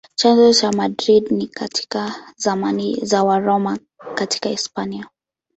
Chanzo cha Madrid ni katika zamani za Waroma katika Hispania.